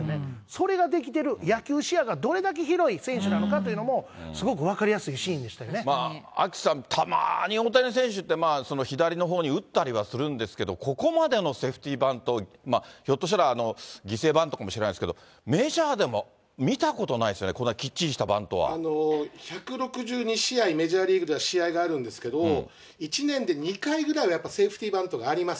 それができてる、野球視野がどれだけ広い選手なのかというのもすごく分かりやすいまあ、アキさん、たまに大谷選手って、左のほうに打ったりはするんですけど、ここまでのセーフティーバント、ひょっとしたら犠牲バントかもしれないですけど、メジャーでも見たことないですよね、こんなきっちりしたバ１６２試合、メジャーリーグでは試合があるんですけど、１年で２回ぐらいはやっぱセーフティーバントがあります。